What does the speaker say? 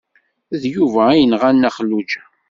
D Yuba ay yenɣan Nna Xelluǧa.